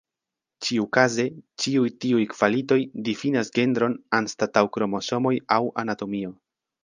Ĉiukaze, ĉiuj tiuj kvalitoj difinas genron anstataŭ kromosomoj aŭ anatomio.